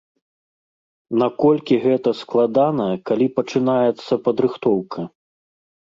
Наколькі гэта складана, калі пачынаецца падрыхтоўка?